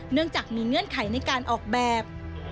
เนื่องจากมีเงื่อนไขในการออกแบบ